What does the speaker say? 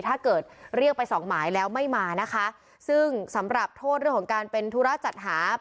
ถ้าเกิดเรียกไปสองหมายแล้วไม่มานะคะซึ่งสำหรับโทษเรื่องของการเป็นธุระจัดหา